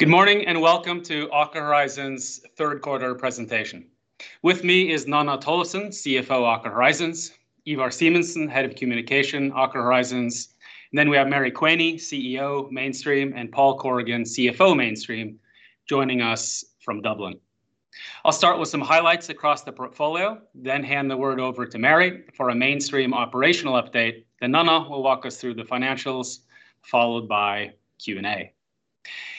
Good morning, welcome to Aker Horizons' third quarter presentation. With me is Nanna Tollefsen, Chief Financial Officer, Aker Horizons, Ivar Simensen, Communications, Aker Horizons. We have Mary Quaney, Chief Executive Officer, Mainstream, Paul Corrigan, Chief Financial Officer, Mainstream, joining us from Dublin. I'll start with some highlights across the portfolio, then hand the word over to Mary for a Mainstream operational update, then Nanna will walk us through the financials, followed by Q&A.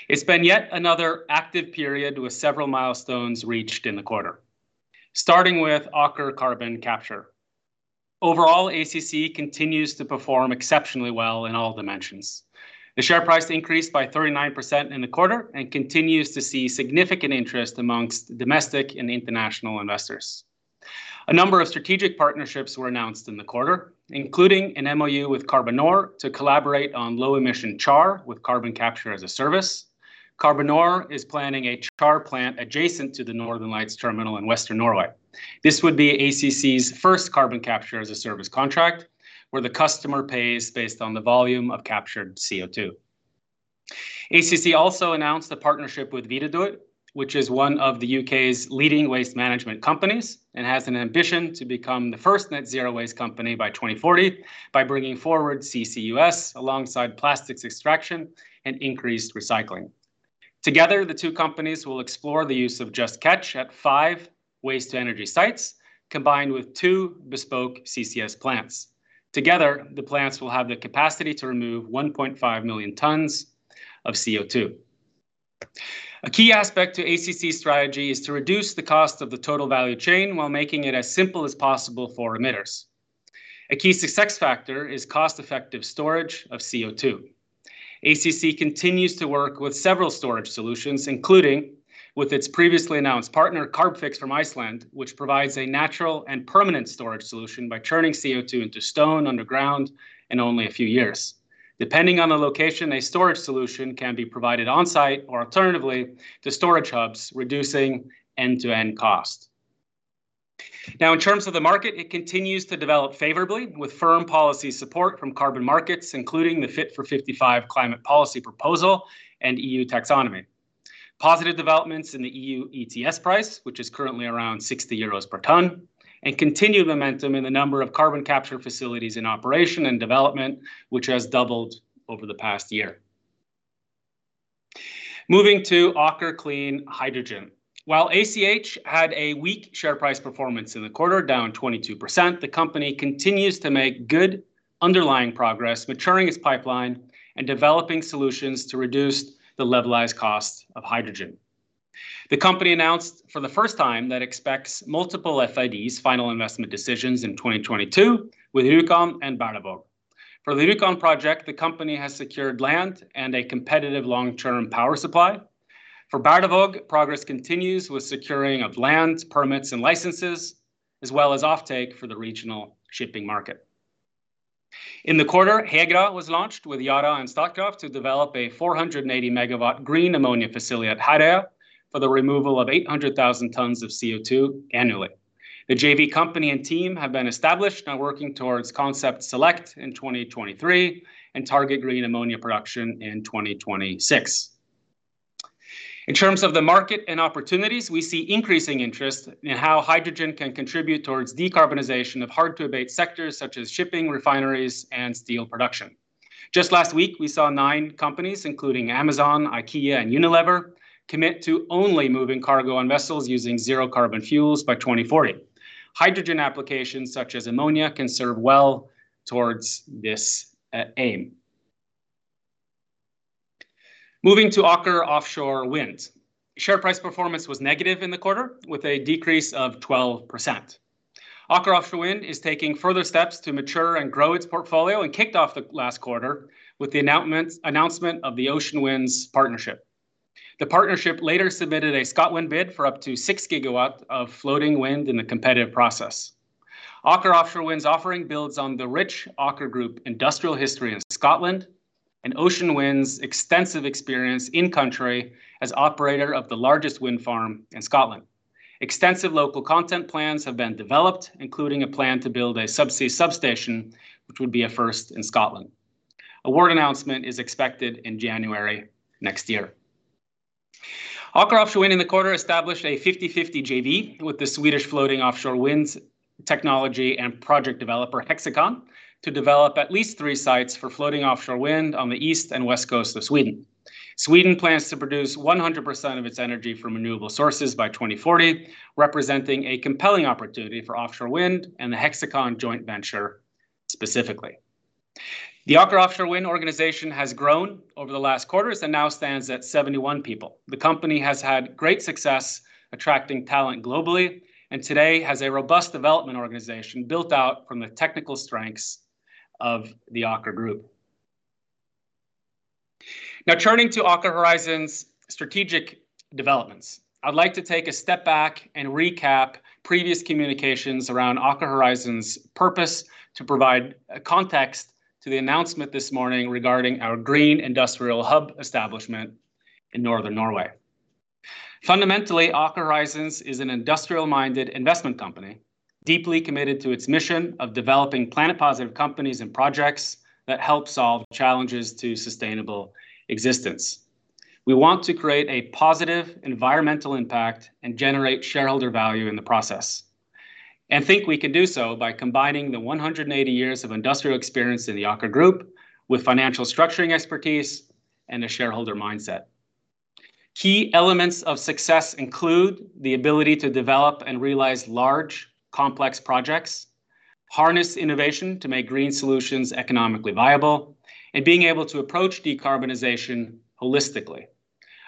It's been yet another active period with several milestones reached in the quarter. Starting with Aker Carbon Capture. Overall, ACC continues to perform exceptionally well in all dimensions. The share price increased by 39% in the quarter and continues to see significant interest amongst domestic and international investors. A number of strategic partnerships were announced in the quarter, including an Memorandum of Understanding with Carbonor to collaborate on low-emission char with carbon capture as a service. Carbonor is planning a char plant adjacent to the Northern Lights terminal in Western Norway. This would be ACC's first carbon capture as a service contract, where the customer pays based on the volume of captured CO2. ACC also announced a partnership with Viridor, which is one of the U.K.'s leading waste management companies and has an ambition to become the first net zero waste company by 2040 by bringing forward Carbon Capture, Utilization, and Storage alongside plastics extraction and increased recycling. Together, the two companies will explore the use of Just Catch at five waste to energy sites, combined with two bespoke Carbon Capture and Storage plants. Together, the plants will have the capacity to remove 1.5 million tons of CO2. A key aspect to ACC's strategy is to reduce the cost of the total value chain while making it as simple as possible for emitters. A key success factor is cost-effective storage of CO2. ACC continues to work with several storage solutions, including with its previously announced partner, Carbfix from Iceland, which provides a natural and permanent storage solution by turning CO2 into stone underground in only a few years. Depending on the location, a storage solution can be provided on-site or alternatively to storage hubs, reducing end-to-end cost. Now, in terms of the market, it continues to develop favorably with firm policy support from carbon markets, including the Fit for 55 climate policy proposal and EU taxonomy. Positive developments in the EU Emissions Trading System price, which is currently around 60 euros per ton, and continued momentum in the number of carbon capture facilities in operation and development, which has doubled over the past year. Moving to Aker Clean Hydrogen. While AK H had a weak share price performance in the quarter, down 22%, the company continues to make good underlying progress maturing its pipeline and developing solutions to reduce the levelized cost of hydrogen. The company announced for the first time that it expects multiple FIDs, Final Investment Decisions, in 2022 with Rjukan and Berlevåg. For the Rjukan project, the company has secured land and a competitive long-term power supply. For Berlevåg, progress continues with securing of lands, permits, and licenses, as well as offtake for the regional shipping market. In the quarter, HErøya GReen Ammonia was launched with Yara and Statkraft to develop a 480 MW green ammonia facility at HErøya for the removal of 800,000 tons of CO2 annually. The JV company and team have been established, now working towards concept select in 2023 and target green ammonia production in 2026. In terms of the market and opportunities, we see increasing interest in how hydrogen can contribute towards decarbonization of hard-to-abate sectors such as shipping, refineries, and steel production. Just last week, we saw nine companies, including Amazon, IKEA, and Unilever, commit to only moving cargo on vessels using zero carbon fuels by 2040. Hydrogen applications such as ammonia can serve well towards this aim. Moving to Aker Offshore Wind. Share price performance was negative in the quarter, with a decrease of 12%. Aker Offshore Wind is taking further steps to mature and grow its portfolio and kicked off the last quarter with the announcement of the Ocean Winds partnership. The partnership later submitted a ScotWind bid for up to 6 GW of floating wind in the competitive process. Aker Offshore Wind's offering builds on the rich Aker Group industrial history in Scotland and Ocean Winds' extensive experience in-country as operator of the largest wind farm in Scotland. Award announcement is expected in January next year. Aker Offshore Wind in the quarter established a 50/50 JV with the Swedish floating offshore wind technology and project developer Hexicon to develop at least three sites for floating offshore wind on the east and west coast of Sweden. Sweden plans to produce 100% of its energy from renewable sources by 2040, representing a compelling opportunity for offshore wind and the Hexicon joint venture specifically. The Aker Offshore Wind organization has grown over the last quarters and now stands at 71 people. The company has had great success attracting talent globally, and today has a robust development organization built out from the technical strengths of the Aker Group. Now turning to Aker Horizons' strategic developments. I'd like to take a step back and recap previous communications around Aker Horizons' purpose to provide context to the announcement this morning regarding our green industrial hub establishment in Northern Norway. Fundamentally, Aker Horizons is an industrial-minded investment company, deeply committed to its mission of developing planet-positive companies and projects that help solve challenges to sustainable existence. We want to create a positive environmental impact and generate shareholder value in the process, and think we can do so by combining the 180 years of industrial experience in the Aker Group with financial structuring expertise and a shareholder mindset. Key elements of success include the ability to develop and realize large, complex projects, harness innovation to make green solutions economically viable, and being able to approach decarbonization holistically.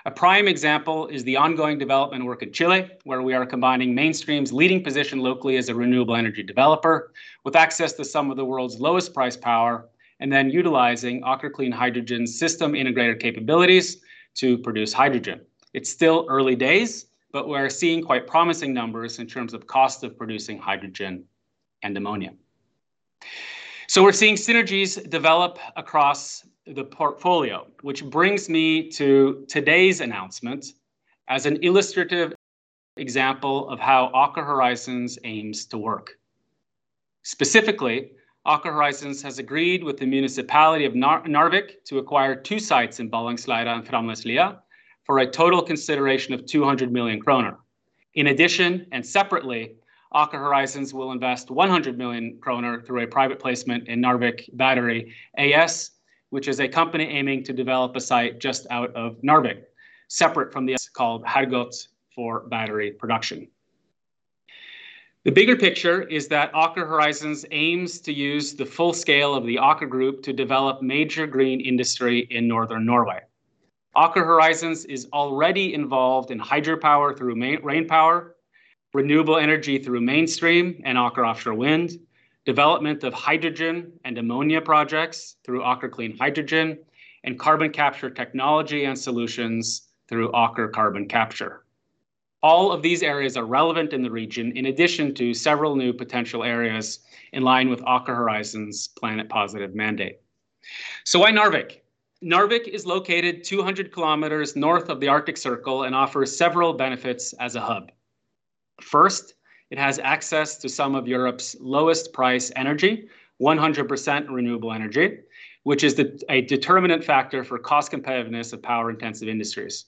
A prime example is the ongoing development work in Chile, where we are combining Mainstream's leading position locally as a renewable energy developer with access to some of the world's lowest priced power, and then utilizing Aker Clean Hydrogen system integrator capabilities to produce hydrogen. It's still early days, but we're seeing quite promising numbers in terms of cost of producing hydrogen and ammonia. We're seeing synergies develop across the portfolio, which brings me to today's announcement as an illustrative example of how Aker Horizons aims to work. Specifically, Aker Horizons has agreed with the municipality of Narvik to acquire two sites in Ballangslia and Framneslia for a total consideration of 200 million kroner. In addition, and separately, Aker Horizons will invest 100 million kroner through a private placement in Narvik Batteri AS, which is a company aiming to develop a site just out of Narvik, separate from the called Hergot for battery production. The bigger picture is that Aker Horizons aims to use the full scale of the Aker Group to develop major green industry in northern Norway. Aker Horizons is already involved in hydropower through Rainpower, renewable energy through Mainstream and Aker Offshore Wind, development of hydrogen and ammonia projects through Aker Clean Hydrogen, and carbon capture technology and solutions through Aker Carbon Capture. All of these areas are relevant in the region, in addition to several new potential areas in line with Aker Horizons' planet positive mandate. Why Narvik? Narvik is located 200 km north of the Arctic Circle and offers several benefits as a hub. First, it has access to some of Europe's lowest price energy, 100% renewable energy, which is a determinant factor for cost competitiveness of power-intensive industries.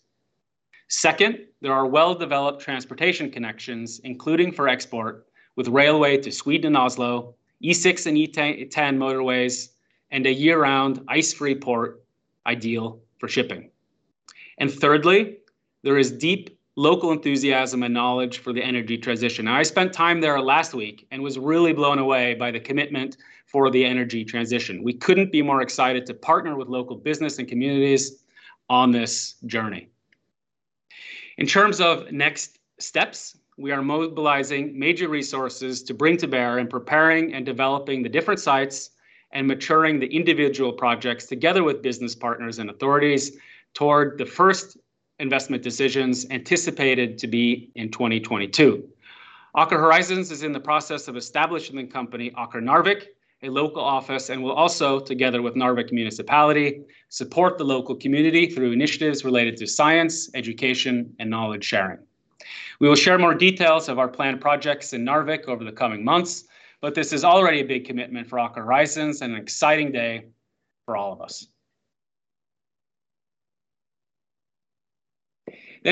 Second, there are well-developed transportation connections, including for export, with railway to Sweden and Oslo, E6 and E10 motorways, and a year-round ice-free port ideal for shipping. Thirdly, there is deep local enthusiasm and knowledge for the energy transition. I spent time there last week and was really blown away by the commitment for the energy transition. We couldn't be more excited to partner with local business and communities on this journey. In terms of next steps, we are mobilizing major resources to bring to bear in preparing and developing the different sites and maturing the individual projects together with business partners and authorities toward the first investment decisions anticipated to be in 2022. Aker Horizons is in the process of establishing the company, Aker Narvik, a local office, and will also, together with Narvik Municipality, support the local community through initiatives related to science, education, and knowledge-sharing. We will share more details of our planned projects in Narvik over the coming months, but this is already a big commitment for Aker Horizons and an exciting day for all of us.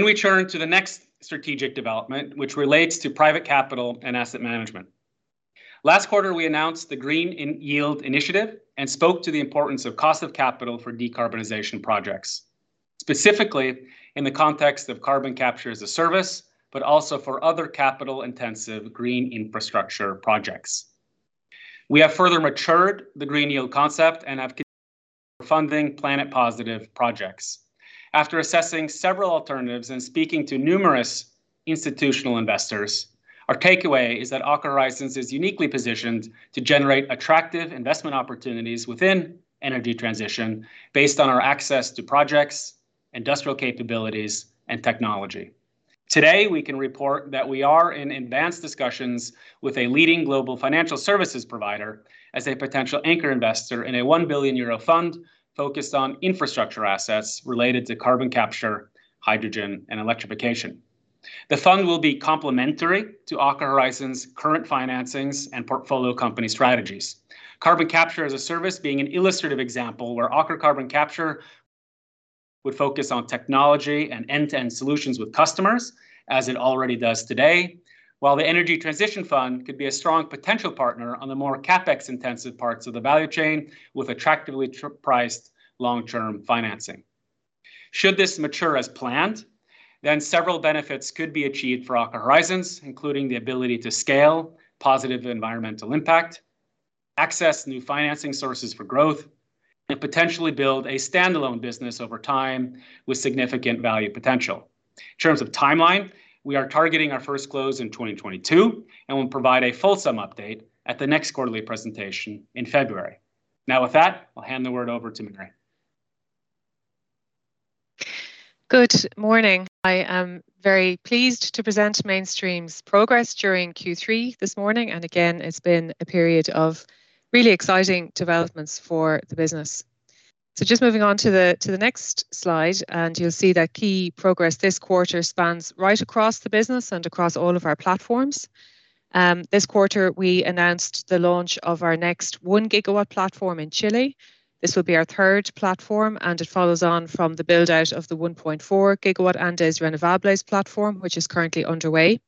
We turn to the next strategic development, which relates to private capital and asset management. Last quarter, we announced the Green Yield initiative and spoke to the importance of cost of capital for decarbonization projects. Specifically, in the context of carbon capture as a service, but also for other capital-intensive green infrastructure projects. We have further matured the Green Yield concept and have continued funding planet positive projects. After assessing several alternatives and speaking to numerous institutional investors, our takeaway is that Aker Horizons is uniquely positioned to generate attractive investment opportunities within energy transition based on our access to projects, industrial capabilities, and technology. Today, we can report that we are in advanced discussions with a leading global financial services provider as a potential anchor investor in a 1 billion euro fund focused on infrastructure assets related to carbon capture, hydrogen, and electrification. The fund will be complementary to Aker Horizons' current financings and portfolio company strategies. Carbon capture as a service being an illustrative example where Aker Carbon Capture would focus on technology and end-to-end solutions with customers, as it already does today, while the energy transition fund could be a strong potential partner on the more CapEx-intensive parts of the value chain with attractively priced long-term financing. Should this mature as planned, then several benefits could be achieved for Aker Horizons, including the ability to scale positive environmental impact, access new financing sources for growth, and potentially build a standalone business over time with significant value potential. In terms of timeline, we are targeting our first close in 2022, and we'll provide a fulsome update at the next quarterly presentation in February. With that, I'll hand the word over to Mary Quaney. Good morning. I am very pleased to present Mainstream's progress during Q3 this morning. Again, it's been a period of really exciting developments for the business. Just moving on to the next slide, you'll see that key progress this quarter spans right across the business and across all of our platforms. This quarter, we announced the launch of our next 1 GW platform in Chile. This will be our third platform, and it follows on from the build-out of the 1.4 GW Andes Renovables platform, which is currently underway.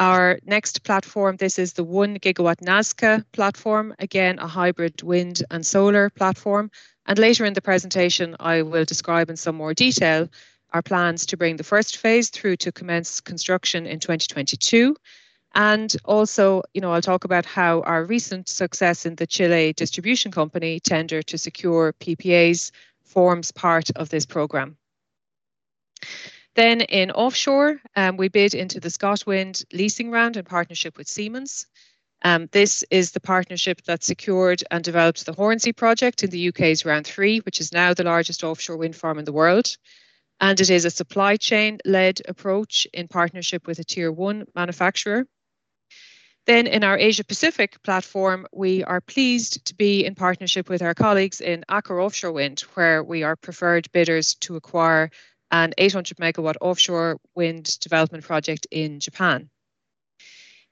Our next platform, this is the 1 GW Nazca platform, again, a hybrid wind and solar platform. Later in the presentation, I will describe in some more detail our plans to bring the first phase through to commence construction in 2022. Also, I'll talk about how our recent success in the Chile distribution company tender to secure Power Purchase Agreements forms part of this program. In offshore, we bid into the ScotWind leasing round in partnership with Siemens. This is the partnership that secured and developed the Hornsea project in the U.K.'s round three, which is now the largest offshore wind farm in the world. It is a supply chain-led approach in partnership with a Tier 1 manufacturer. In our Asia Pacific platform, we are pleased to be in partnership with our colleagues in Aker Offshore Wind, where we are preferred bidders to acquire an 800 MW offshore wind development project in Japan.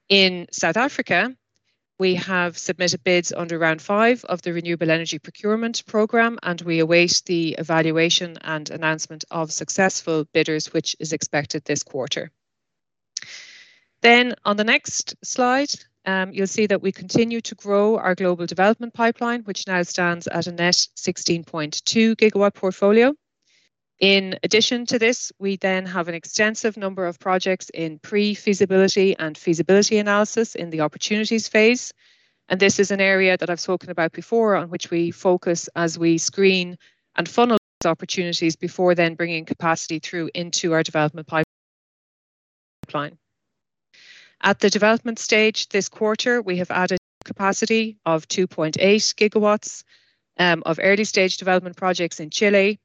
In South Africa, we have submitted bids under round five of the Renewable Energy Procurement program. We await the evaluation and announcement of successful bidders, which is expected this quarter. On the next slide, you'll see that we continue to grow our global development pipeline, which now stands at a net 16.2 GW portfolio. In addition to this, we then have an extensive number of projects in pre-feasibility and feasibility analysis in the opportunities phase. This is an area that I've spoken about before, on which we focus as we screen and funnel these opportunities before then bringing capacity through into our development pipeline. At the development stage this quarter, we have added capacity of 2.8 GW of early-stage development projects in Chile,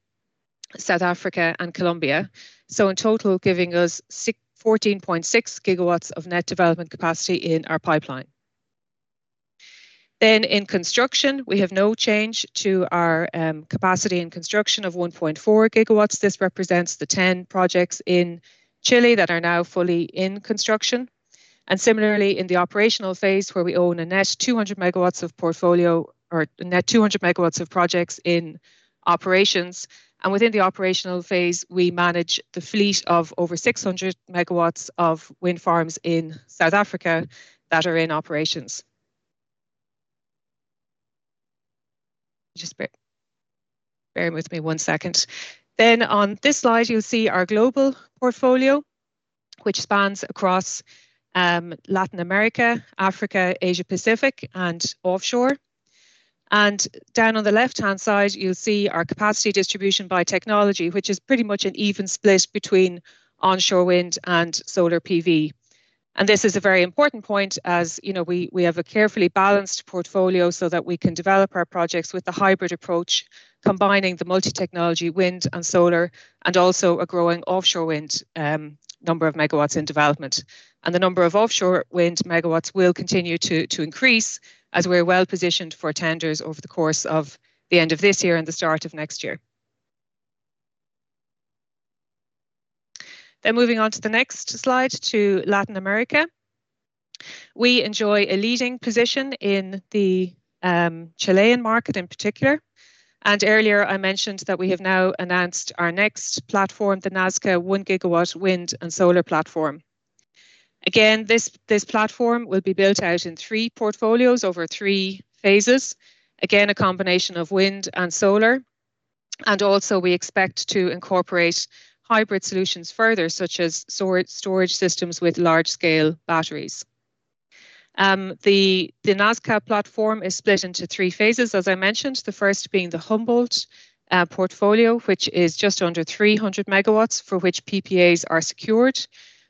South Africa, and Colombia. In total, giving us 14.6 GW of net development capacity in our pipeline. In construction, we have no change to our capacity in construction of 1.4 GW. This represents the 10 projects in Chile that are now fully in construction, and similarly, in the operational phase, where we own a net 200 MW of projects in operations. Within the operational phase, we manage the fleet of over 600 MW of wind farms in South Africa that are in operations. Just bear with me one second. On this slide, you'll see our global portfolio, which spans across Latin America, Africa, Asia Pacific, and offshore. Down on the left-hand side, you'll see our capacity distribution by technology, which is pretty much an even split between onshore wind and solar Photovoltaics. This is a very important point. As you know, we have a carefully balanced portfolio so that we can develop our projects with the hybrid approach, combining the multi-technology wind and solar, and also a growing offshore wind number of megawatts in development. The number of offshore wind megawatts will continue to increase as we're well-positioned for tenders over the course of the end of this year and the start of next year. Moving on to the next slide to Latin America. We enjoy a leading position in the Chilean market in particular, and earlier I mentioned that we have now announced our next platform, the Nazca 1 GW wind and solar platform. This platform will be built out in theee portfolios over three phases. A combination of wind and solar. Also we expect to incorporate hybrid solutions further, such as storage systems with large-scale batteries. The Nazca platform is split into three phases, as I mentioned, the first being the Humboldt portfolio, which is just under 300 MW, for which PPAs are secured.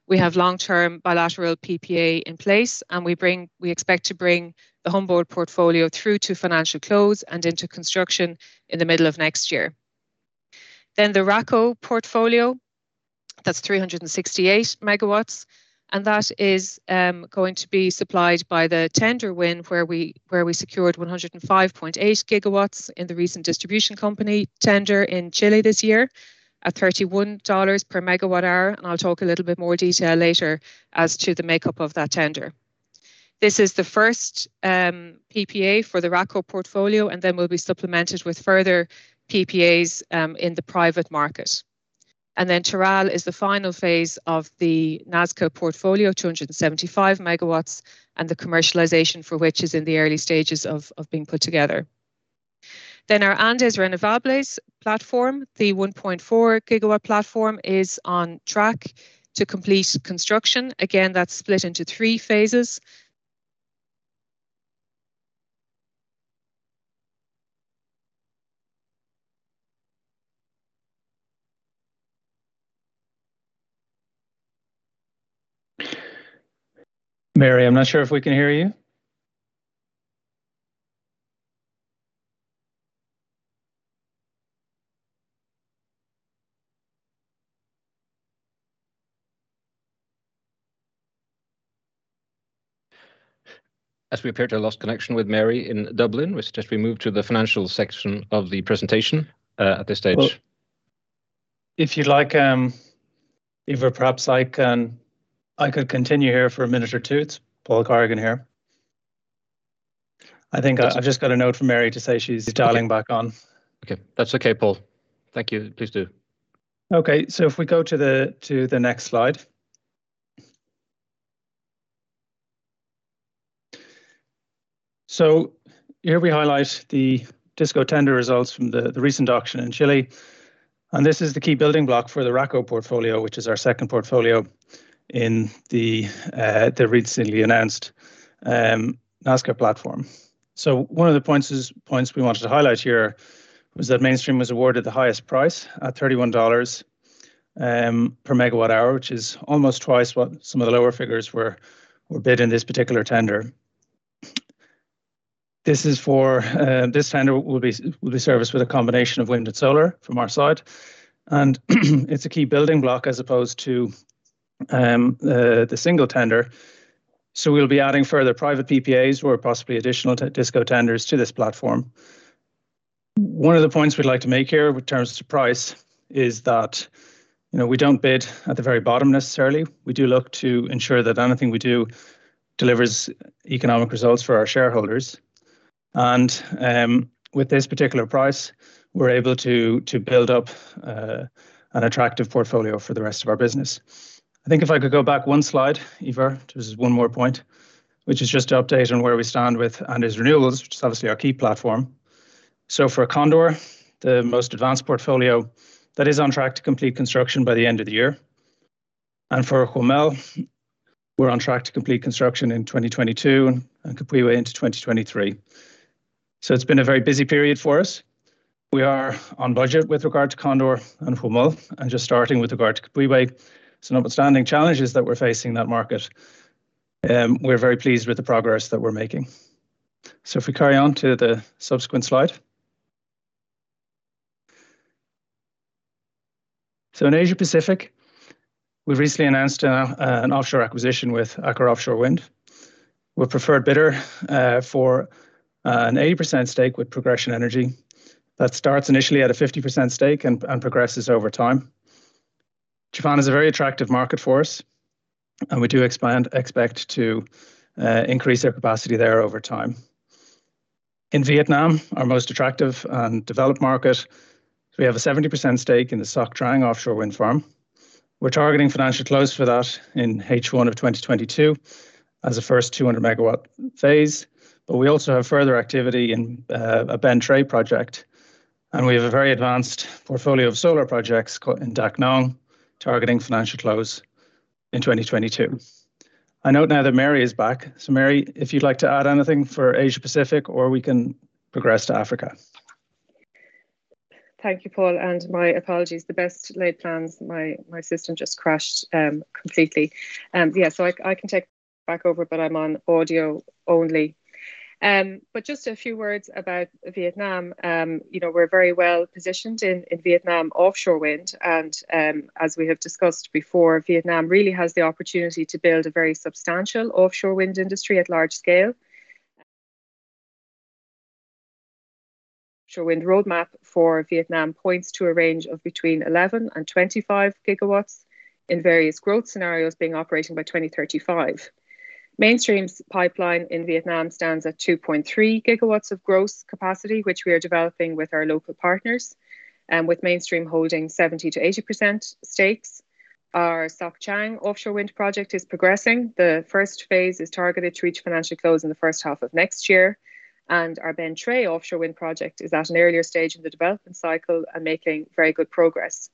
We have long-term bilateral PPA in place, and we expect to bring the Humboldt portfolio through to financial close and into construction in the middle of next year. The Raco portfolio, that's 368 MW, and that is going to be supplied by the tender win where we secured 105.8 GW in the recent distribution company tender in Chile this year at $31 per MWh. I'll talk a little bit more detail later as to the makeup of that tender. This is the first PPA for the Raco portfolio. We'll be supplemented with further PPAs in the private market. Taral is the final phase of the Nazca portfolio, 275 MW, and the commercialization for which is in the early stages of being put together. Our Andes Renovables platform, the 1.4 GW platform, is on track to complete construction. That's split into three phases. Mary, I'm not sure if we can hear you. As we appear to have lost connection with Mary in Dublin, we suggest we move to the financial section of the presentation at this stage. Well, if you'd like, Ivar, perhaps I could continue here for a minute or two. It's Paul Corrigan here. I think I've just got a note from Mary to say she's dialing back on. Okay. That's okay, Paul. Thank you. Please do. Okay. If we go to the next slide. Here we highlight the Distribution Company tender results from the recent auction in Chile, and this is the key building block for the Raco portfolio, which is our second portfolio in the recently announced Nazca Renovables platform. One of the points we wanted to highlight here was that Mainstream was awarded the highest price at $31 per MWh, which is almost twice what some of the lower figures were bid in this particular tender. This tender will be serviced with a combination of wind and solar from our side, and it's a key building block as opposed to the single tender. We'll be adding further private PPAs or possibly additional DisCo tenders to this platform. One of the points we'd like to make here in terms of price is that we don't bid at the very bottom necessarily. We do look to ensure that anything we do delivers economic results for our shareholders. With this particular price, we're able to build up an attractive portfolio for the rest of our business. I think if I could go back one slide, Ivar, just one more point, which is just to update on where we stand with Andes Renovables, which is obviously our key platform. For Condor, the most advanced portfolio, that is on track to complete construction by the end of the year. For Huemul, we're on track to complete construction in 2022 and Copihue into 2023. It's been a very busy period for us. We are on budget with regard to Condor and Huemul, and just starting with regard to Copihue. Some outstanding challenges that we're facing in that market, we're very pleased with the progress that we're making. If we carry on to the subsequent slide. In Asia Pacific, we recently announced an offshore acquisition with Aker Offshore Wind. We're preferred bidder for an 80% stake with Progression Energy. That starts initially at a 50% stake and progresses over time. Japan is a very attractive market for us, and we do expect to increase our capacity there over time. In Vietnam, our most attractive and developed market, we have a 70% stake in the Sóc Trăng offshore wind farm. We're targeting financial close for that in H1 of 2022 as a first 200 MW phase. We also have further activity in a Bến Tre project, and we have a very advanced portfolio of solar projects in Đắk Nông, targeting financial close in 2022. I note now that Mary is back. Mary, if you'd like to add anything for Asia Pacific, or we can progress to Africa. Thank you, Paul, and my apologies. The best laid plans, my system just crashed completely. I can take back over, but I'm on audio only. Just a few words about Vietnam. We're very well-positioned in Vietnam offshore wind and, as we have discussed before, Vietnam really has the opportunity to build a very substantial offshore wind industry at large scale. Offshore wind roadmap for Vietnam points to a range of between 11 GW and 25 GW in various growth scenarios being operational by 2035. Mainstream's pipeline in Vietnam stands at 2.3 GW of gross capacity, which we are developing with our local partners, with Mainstream holding 70%-80% stakes. Our Sóc Trăng offshore wind project is progressing. The first phase is targeted to reach financial close in the 1st half of next year, and our Bến Tre offshore wind project is at an earlier stage in the development cycle and making very good progress.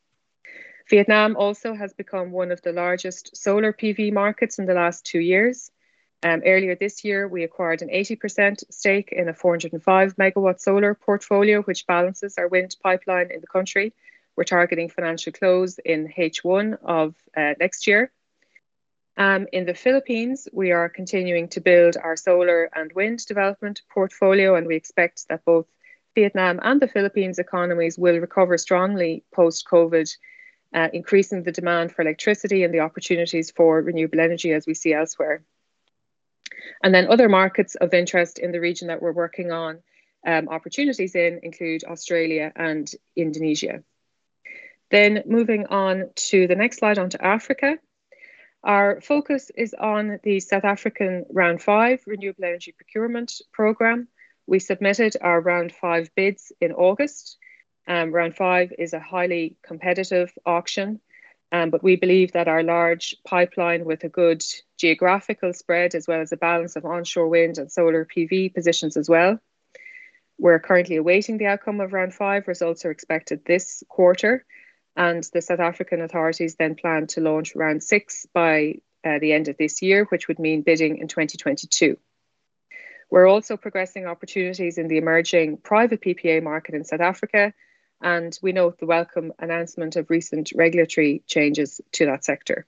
Vietnam also has become one of the largest solar PV markets in the last two years. Earlier this year, we acquired an 80% stake in a 405 MW solar portfolio, which balances our wind pipeline in the country. We're targeting financial close in H1 of next year. In the Philippines, we are continuing to build our solar and wind development portfolio, and we expect that both Vietnam and the Philippines economies will recover strongly post-COVID, increasing the demand for electricity and the opportunities for renewable energy as we see elsewhere. Other markets of interest in the region that we're working on opportunities in include Australia and Indonesia. Moving on to the next slide, on to Africa. Our focus is on the South African round five renewable energy procurement program. We submitted our round dive bids in August. Round five is a highly competitive auction, but we believe that our large pipeline with a good geographical spread as well as a balance of onshore wind and solar PV positions as well. We're currently awaiting the outcome of round five. Results are expected this quarter. The South African authorities then plan to launch round six by the end of this year, which would mean bidding in 2022. We're also progressing opportunities in the emerging private PPA market in South Africa, and we note the welcome announcement of recent regulatory changes to that sector.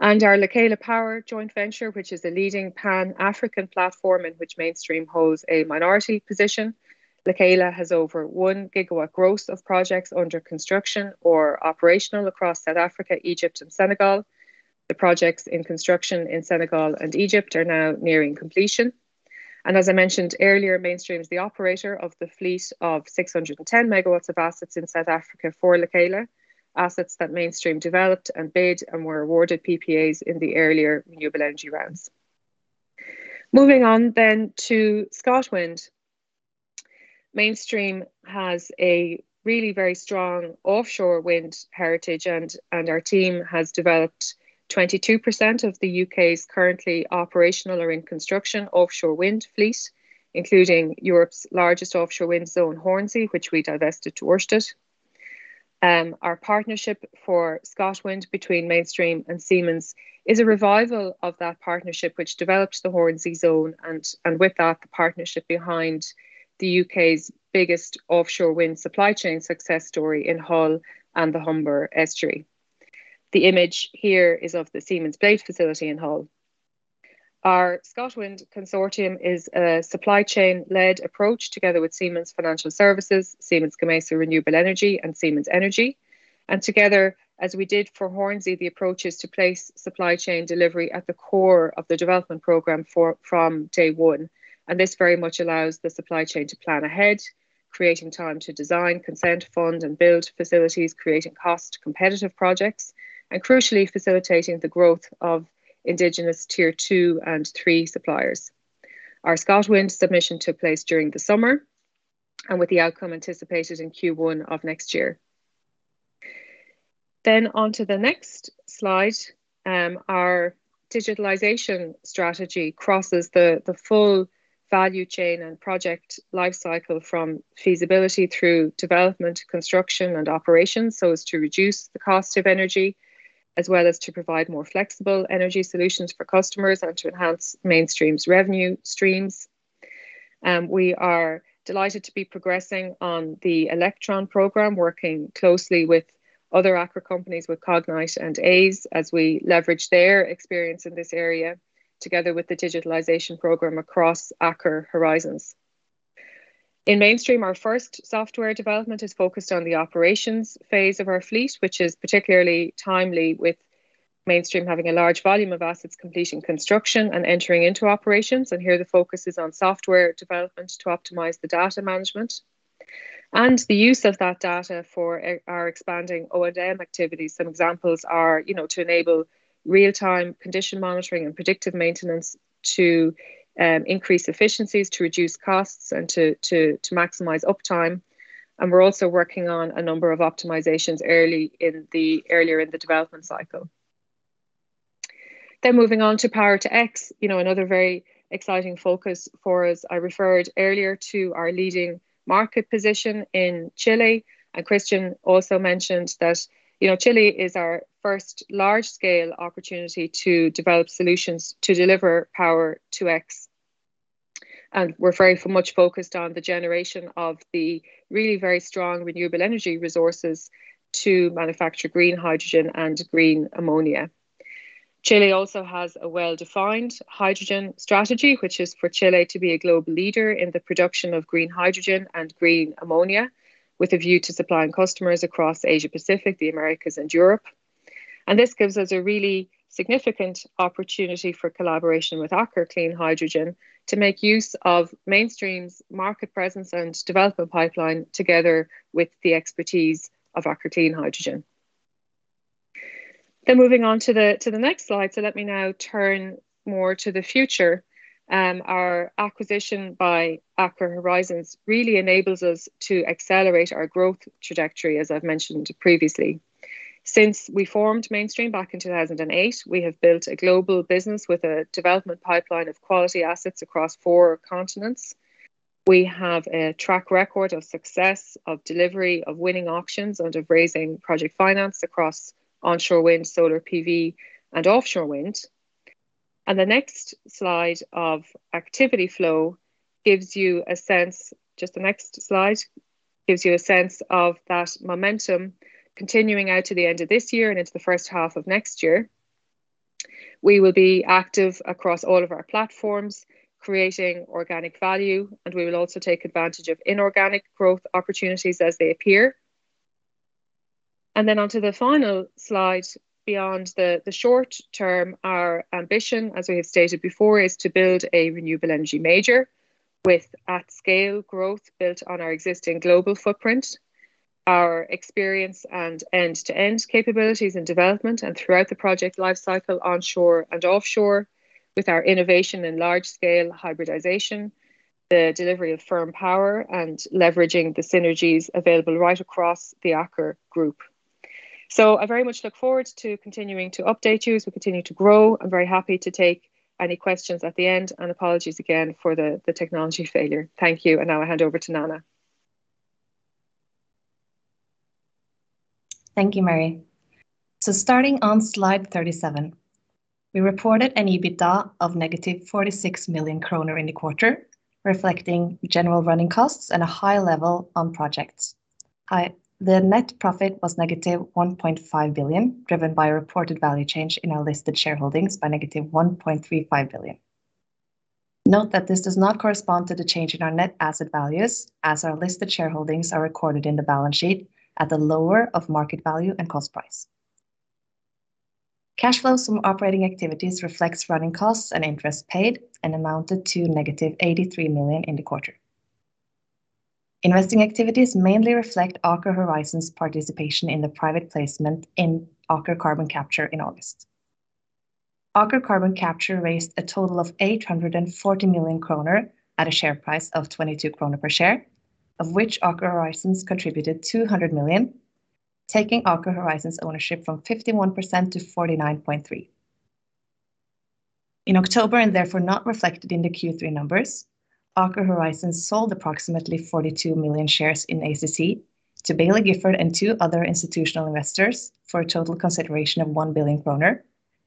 Our Lekela Power joint venture, which is a leading Pan-African platform in which Mainstream holds a minority position. Lekela has over 1 GW gross of projects under construction or operational across South Africa, Egypt, and Senegal. The projects in construction in Senegal and Egypt are now nearing completion. As I mentioned earlier, Mainstream is the operator of the fleet of 610 MW of assets in South Africa for Lekela, assets that Mainstream developed and bid and were awarded PPAs in the earlier renewable energy rounds. Moving on to ScotWind. Mainstream has a really very strong offshore wind heritage, our team has developed 22% of the U.K.'s currently operational or in construction offshore wind fleet, including Europe's largest offshore wind zone, Hornsea, which we divested to Ørsted. Our partnership for ScotWind between Mainstream and Siemens is a revival of that partnership, which developed the Hornsea Zone, and with that, the partnership behind the U.K.'s biggest offshore wind supply chain success story in Hull and the Humber Estuary. The image here is of the Siemens blade facility in Hull. Our ScotWind consortium is a supply chain-led approach, together with Siemens Financial Services, Siemens Gamesa Renewable Energy, and Siemens Energy. Together, as we did for Hornsea, the approach is to place supply chain delivery at the core of the development program from day one. This very much allows the supply chain to plan ahead, creating time to design, consent, fund, and build facilities, creating cost, competitive projects, and crucially facilitating the growth of indigenous Tier 2 and Tier 3 suppliers. Our ScotWind submission took place during the summer, with the outcome anticipated in Q1 of next year. On to the next slide, our digitalization strategy crosses the full value chain and project life cycle from feasibility through development, construction, and operations, so as to reduce the cost of energy, as well as to provide more flexible energy solutions for customers and to enhance Mainstream's revenue streams. We are delighted to be progressing on the Electron program, working closely with other Aker companies, with Cognite and Aize, as we leverage their experience in this area, together with the digitalization program across Aker Horizons. In Mainstream, our first software development is focused on the operations phase of our fleet, which is particularly timely, with Mainstream having a large volume of assets completing construction and entering into operations. Here the focus is on software development to optimize the data management and the use of that data for our expanding O&M activities. Some examples are to enable real-time condition monitoring and predictive maintenance to increase efficiencies, to reduce costs, and to maximize uptime. We're also working on a number of optimizations earlier in the development cycle. Moving on to Power-to-X, another very exciting focus for us. I referred earlier to our leading market position in Chile. Christian also mentioned that Chile is our first large-scale opportunity to develop solutions to deliver Power-to-X. We're very much focused on the generation of the really very strong renewable energy resources to manufacture green hydrogen and green ammonia. Chile also has a well-defined hydrogen strategy, which is for Chile to be a global leader in the production of green hydrogen and green ammonia, with a view to supplying customers across Asia-Pacific, the Americas, and Europe. This gives us a really significant opportunity for collaboration with Aker Clean Hydrogen to make use of Mainstream's market presence and development pipeline together with the expertise of Aker Clean Hydrogen. Moving on to the next slide. Let me now turn more to the future. Our acquisition by Aker Horizons really enables us to accelerate our growth trajectory, as I've mentioned previously. Since we formed Mainstream back in 2008, we have built a global business with a development pipeline of quality assets across four continents. We have a track record of success, of delivery, of winning auctions, and of raising project finance across onshore wind, solar PV, and offshore wind. The next slide of activity flow gives you a sense, just the next slide, gives you a sense of that momentum continuing out to the end of this year and into the first half of next year. We will be active across all of our platforms, creating organic value, and we will also take advantage of inorganic growth opportunities as they appear. On to the final slide. Beyond the short term, our ambition, as we have stated before, is to build a renewable energy major with at-scale growth built on our existing global footprint, our experience and end-to-end capabilities and development, and throughout the project life cycle, onshore and offshore, with our innovation in large-scale hybridization, the delivery of firm power, and leveraging the synergies available right across the Aker Group. I very much look forward to continuing to update you as we continue to grow. I'm very happy to take any questions at the end, and apologies again for the technology failure. Thank you. Now I hand over to Nanna Tollefsen. Thank you, Mary. Starting on slide 37, we reported an EBITDA of -46 million kroner in the quarter, reflecting general running costs and a high level on projects. The net profit was -1.5 billion, driven by a reported value change in our listed shareholdings by -1.35 billion. Note that this does not correspond to the change in our net asset values, as our listed shareholdings are recorded in the balance sheet at the lower of market value and cost price. Cash flows from operating activities reflects running costs and interest paid, and amounted to -83 million in the quarter. Investing activities mainly reflect Aker Horizons participation in the private placement in Aker Carbon Capture in August. Aker Carbon Capture raised a total of 840 million kroner at a share price of 22 kroner per share, of which Aker Horizons contributed 200 million, taking Aker Horizons ownership from 51%-49.3%. In October, and therefore not reflected in the Q3 numbers, Aker Horizons sold approximately 42 million shares in ACC to Baillie Gifford and two other institutional investors for a total consideration of 1 billion kroner,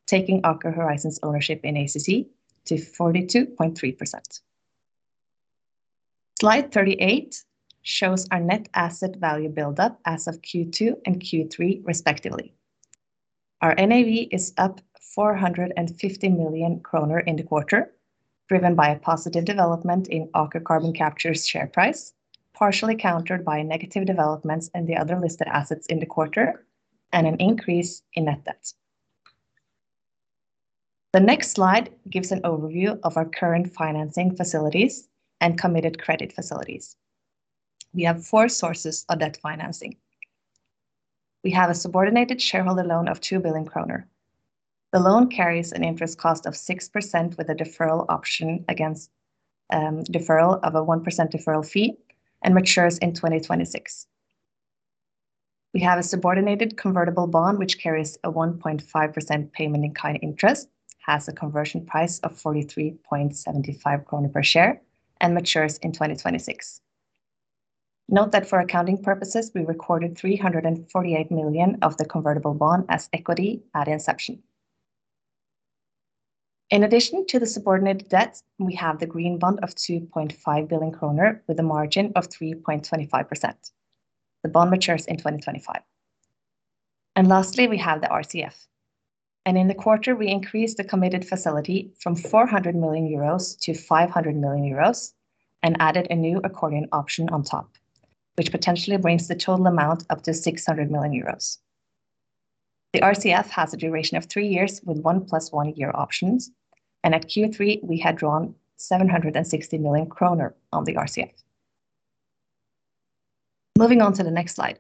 taking Aker Horizons ownership in ACC to 42.3%. Slide 38 shows our NAV buildup as of Q2 and Q3 respectively. Our NAV is up 450 million kroner in the quarter, driven by a positive development in Aker Carbon Capture's share price, partially countered by negative developments in the other listed assets in the quarter, and an increase in net debt. The next slide gives an overview of our current financing facilities and committed credit facilities. We have four sources of debt financing. We have a subordinated shareholder loan of 2 billion kroner. The loan carries an interest cost of 6% with a deferral option against deferral of a 1% deferral fee, and matures in 2026. We have a subordinated convertible bond, which carries a 1.5% payment in kind interest, has a conversion price of 43.75 kroner per share, and matures in 2026. Note that for accounting purposes, we recorded 348 million of the convertible bond as equity at inception. In addition to the subordinate debt, we have the green bond of 2.5 billion kroner with a margin of 3.25%. The bond matures in 2025. Lastly, we have the Revolving Credit Facility. In the quarter, we increased the committed facility from 400 million-500 million euros, and added a new accordion option on top, which potentially brings the total amount up to 600 million euros. The RCF has a duration of theee years with 1 + 1 year options, and at Q3, we had drawn 760 million kroner on the RCF. Moving on to the next slide.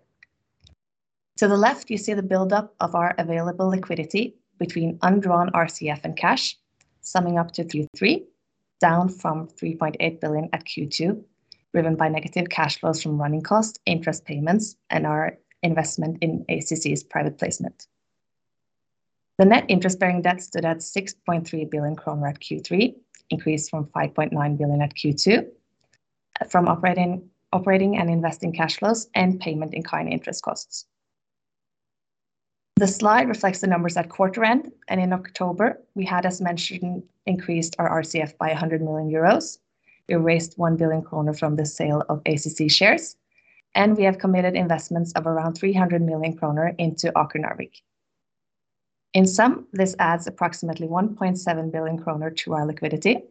To the left, you see the buildup of our available liquidity between undrawn RCF and cash, summing up to 3.3 billion, down from 3.8 billion at Q2, driven by negative cash flows from running costs, interest payments, and our investment in ACC's private placement. The net interest-bearing debt stood at 6.3 billion kroner at Q3, increased from 5.9 billion at Q2, from operating and investing cash flows and payment in kind interest costs. The slide reflects the numbers at quarter end. In October, we had, as mentioned, increased our RCF by 100 million euros. We raised 1 billion kroner from the sale of ACC shares. We have committed investments of around 300 million kroner into Aker Narvik. In sum, this adds approximately 1.7 billion kroner to our liquidity,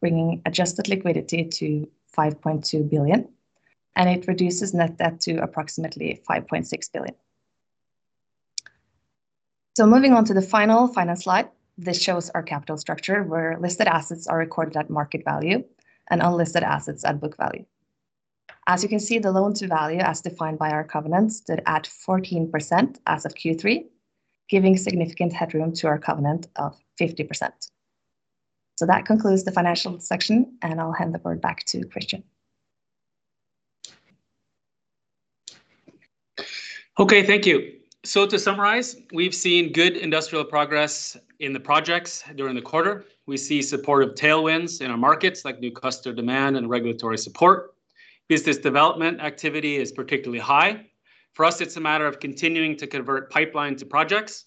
bringing adjusted liquidity to 5.2 billion. It reduces net debt to approximately 5.6 billion. Moving on to the final finance slide. This shows our capital structure, where listed assets are recorded at market value and unlisted assets at book value. As you can see, the loan to value as defined by our covenant, stood at 14% as of Q3, giving significant headroom to our covenant of 50%. That concludes the financial section. I'll hand the board back to Christian Yggeseth. Okay. Thank you. To summarize, we've seen good industrial progress in the projects during the quarter. We see supportive tailwinds in our markets, like new customer demand and regulatory support. Business development activity is particularly high. For us, it's a matter of continuing to convert pipeline to projects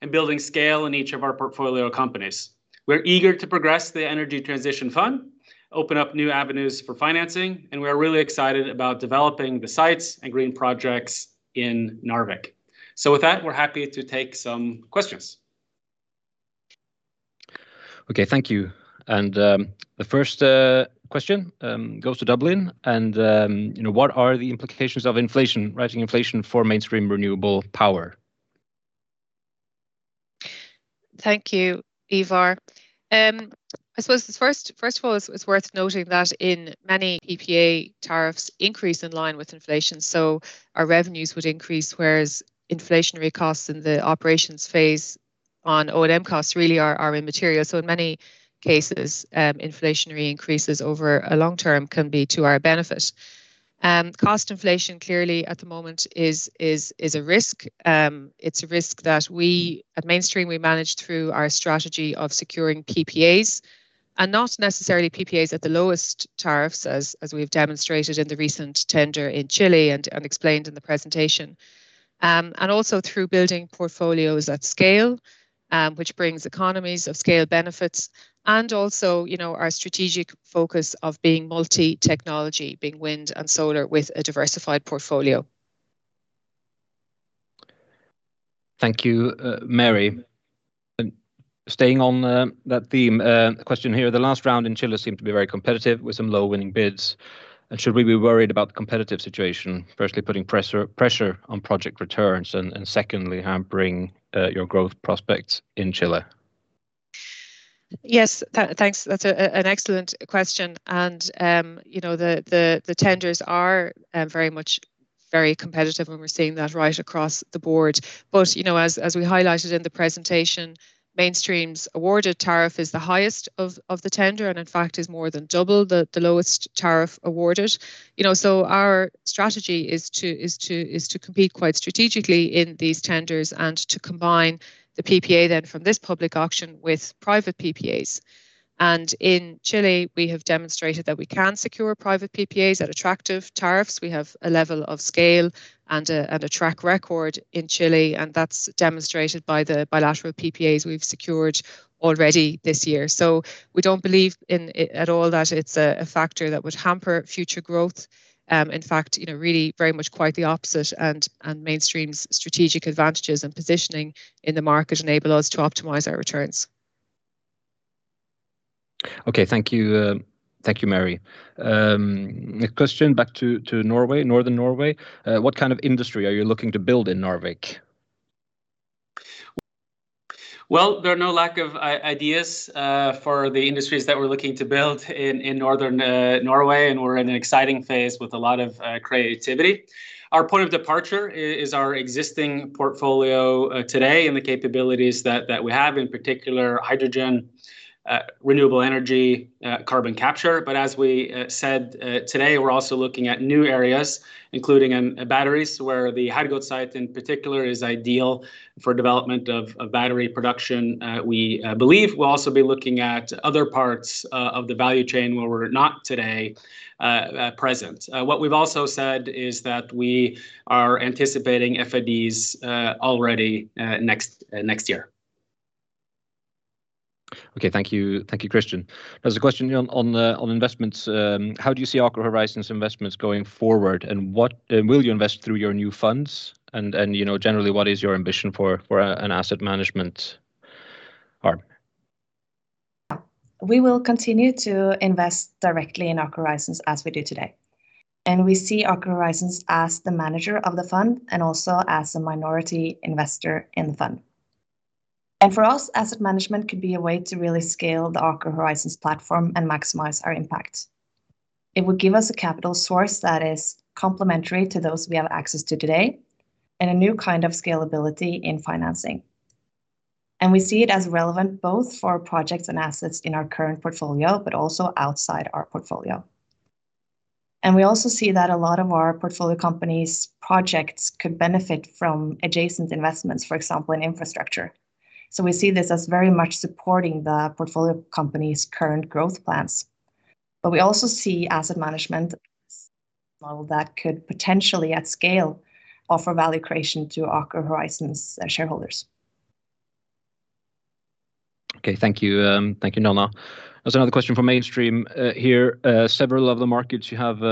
and building scale in each of our portfolio companies. We're eager to progress the energy transition fund, open up new avenues for financing, and we are really excited about developing the sites and green projects in Narvik. With that, we're happy to take some questions. Okay. Thank you. The first question goes to Dublin, what are the implications of inflation, rising inflation for Mainstream Renewable Power? Thank you, Ivar. I suppose first of all, it's worth noting that in many PPA tariffs increase in line with inflation. Our revenues would increase, whereas inflationary costs in the operations phase on O&M costs really are immaterial. In many cases, inflationary increases over a long term can be to our benefit. Cost inflation clearly at the moment is a risk. It's a risk that we, at Mainstream, we manage through our strategy of securing PPAs, and not necessarily PPAs at the lowest tariffs as we've demonstrated in the recent tender in Chile and explained in the presentation. Also through building portfolios at scale, which brings economies of scale benefits, and also our strategic focus of being multi-technology, being wind and solar with a diversified portfolio. Thank you, Mary. Staying on that theme, a question here. The last round in Chile seemed to be very competitive with some low winning bids. Should we be worried about the competitive situation, firstly putting pressure on project returns, and secondly hampering your growth prospects in Chile? Yes. Thanks. That's an excellent question. The tenders are very much very competitive. We're seeing that right across the board. As we highlighted in the presentation, Mainstream's awarded tariff is the highest of the tender. In fact is more than double the lowest tariff awarded. Our strategy is to compete quite strategically in these tenders and to combine the PPA then from this public auction with private PPAs. In Chile, we have demonstrated that we can secure private PPAs at attractive tariffs. We have a level of scale and a track record in Chile. That's demonstrated by the bilateral PPAs we've secured already this year. We don't believe at all that it's a factor that would hamper future growth. In fact, really very much quite the opposite. Mainstream's strategic advantages and positioning in the market enable us to optimize our returns. Okay. Thank you, Mary. A question back to Norway, northern Norway. What kind of industry are you looking to build in Narvik? There are no lack of ideas for the industries that we're looking to build in Northern Norway, and we're in an exciting phase with a lot of creativity. Our point of departure is our existing portfolio today, and the capabilities that we have, in particular, hydrogen, renewable energy, carbon capture. As we said today, we're also looking at new areas, including batteries, where the Hergot site in particular is ideal for development of battery production. We believe we'll also be looking at other parts of the value chain where we're not today present. What we've also said is that we are anticipating Final Investment Decision already next year. Thank you, Christian. There is a question on investments. How do you see Aker Horizons investments going forward? Will you invest through your new funds? Generally, what is your ambition for an asset management arm? We will continue to invest directly in Aker Horizons as we do today. We see Aker Horizons as the manager of the fund and also as a minority investor in the fund. For us, asset management could be a way to really scale the Aker Horizons platform and maximize our impact. It would give us a capital source that is complementary to those we have access to today, and a new kind of scalability in financing. We see it as relevant both for projects and assets in our current portfolio, but also outside our portfolio. We also see that a lot of our portfolio companies projects could benefit from adjacent investments, for example, in infrastructure. We see this as very much supporting the portfolio company's current growth plans. We also see asset management as well that could potentially at scale offer value creation to Aker Horizons shareholders. Okay. Thank you, Nanna. There is another question for Mainstream here. Several of the markets you have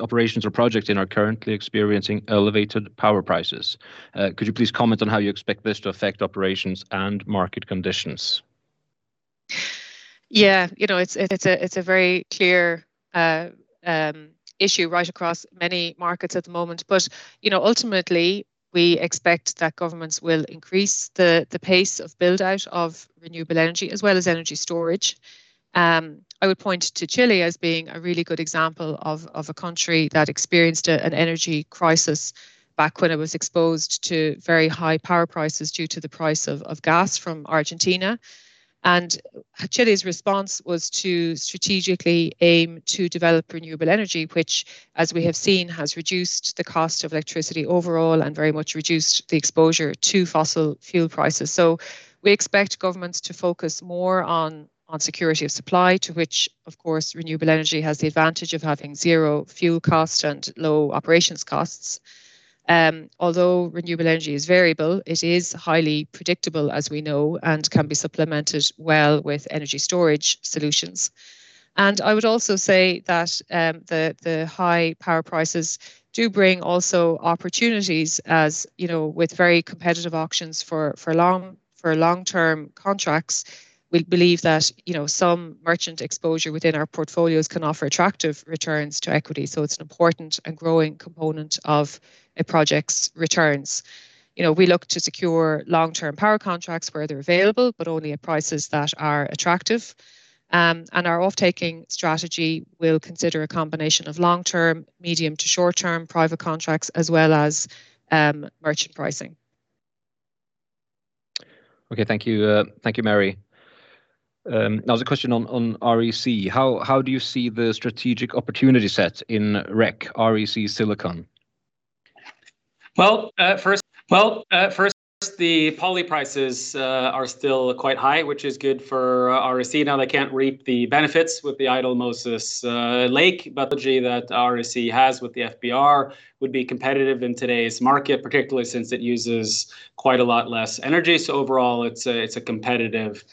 operations or projects in are currently experiencing elevated power prices. Could you please comment on how you expect this to affect operations and market conditions? Yeah. It's a very clear issue right across many markets at the moment. Ultimately, we expect that governments will increase the pace of build-out of renewable energy as well as energy storage. I would point to Chile as being a really good example of a country that experienced an energy crisis back when it was exposed to very high power prices due to the price of gas from Argentina. Chile's response was to strategically aim to develop renewable energy, which as we have seen has reduced the cost of electricity overall and very much reduced the exposure to fossil fuel prices. We expect governments to focus more on security of supply, to which, of course, renewable energy has the advantage of having zero fuel cost and low operations costs. Although renewable energy is variable, it is highly predictable, as we know, and can be supplemented well with energy storage solutions. I would also say that the high power prices do bring also opportunities, as with very competitive auctions for long-term contracts. We believe that some merchant exposure within our portfolios can offer attractive returns to equity. It's an important and growing component of a project's returns. We look to secure long-term power contracts where they're available, but only at prices that are attractive. Our off-taking strategy will consider a combination of long-term, medium to short-term private contracts as well as merchant pricing. Okay. Thank you, Mary. Now there's a question on REC. How do you see the strategic opportunity set in REC Silicon? First, the poly prices are still quite high, which is good for REC. They cannot reap the benefits with the idle Moses Lake, but the GE that REC has with the Fluidized Bed Reactor would be competitive in today's market, particularly since it uses quite a lot less energy. Overall, it's a competitive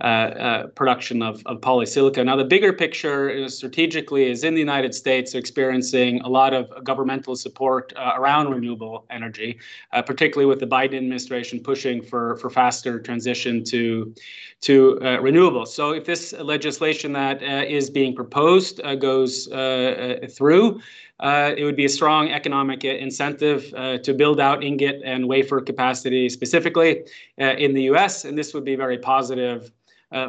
production of polysilicon. The bigger picture strategically is in the U.S. experiencing a lot of governmental support around renewable energy, particularly with the Biden administration pushing for faster transition to renewables. If this legislation that is being proposed goes through, it would be a strong economic incentive to build out ingot and wafer capacity specifically in the U.S., and this would be very positive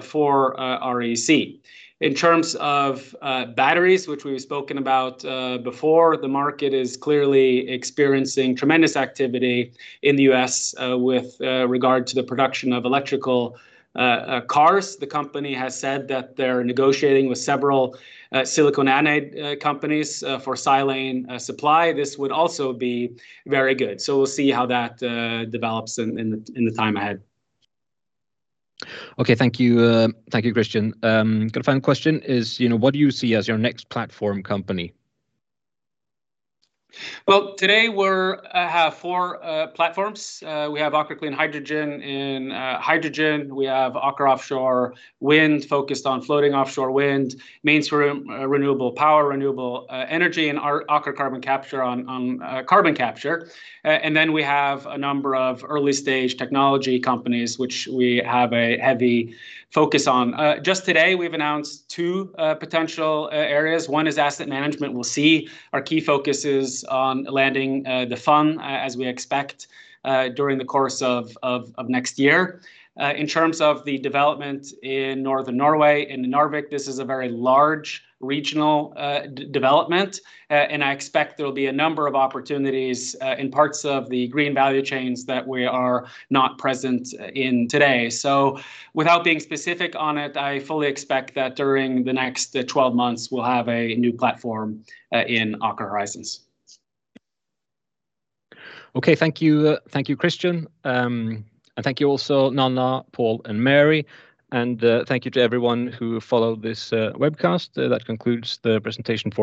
for REC. In terms of batteries, which we've spoken about before, the market is clearly experiencing tremendous activity in the U.S. with regard to the production of electrical cars. The company has said that they're negotiating with several silicon anode companies for silane supply. This would also be very good. We'll see how that develops in the time ahead. Okay. Thank you, Christian. Got a final question is, what do you see as your next platform company? Well, today we have four platforms. We have Aker Clean Hydrogen in hydrogen. We have Aker Offshore Wind focused on floating offshore wind, Mainstream Renewable Power, renewable energy, and Aker Carbon Capture on carbon capture. We have a number of early-stage technology companies, which we have a heavy focus on. Just today, we've announced two potential areas. One is asset management. We'll see. Our key focus is on landing the fund, as we expect, during the course of next year. In terms of the development in Northern Norway, in Narvik, this is a very large regional development, and I expect there'll be a number of opportunities in parts of the green value chains that we are not present in today. Without being specific on it, I fully expect that during the next 12 months we'll have a new platform in Aker Horizons. Okay. Thank you, Christian. Thank you also, Nanna, Paul, and Mary, and thank you to everyone who followed this webcast. That concludes the presentation for.